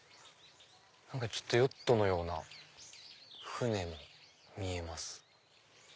ヨットのような船も見えます。